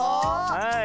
はい。